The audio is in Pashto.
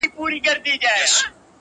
په لسګونو موږکان دلته اوسېږي,